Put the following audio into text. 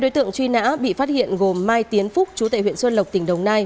hai đối tượng truy nã bị phát hiện gồm mai tiến phúc chú tại huyện xuân lộc tỉnh đồng nai